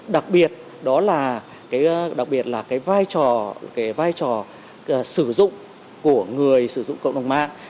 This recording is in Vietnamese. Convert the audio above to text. đặc biệt đó là cái vai trò sử dụng của người sử dụng cộng đồng mạng